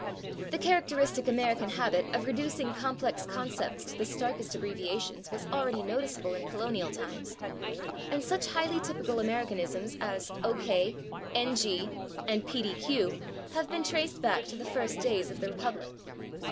The characteristic American habit of reducing complex concepts to the starkest abbreviations was already noticeable in colonial times, [Pg023] and such highly typical Americanisms as /O. K./, /N. G./, and /P. D. Q./, have been traced back to the first days of the republic.